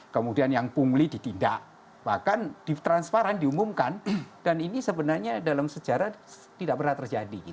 kemudian yang pungli ditindak bahkan di transparan diumumkan dan ini sebenarnya dalam sejarah tidak pernah terjadi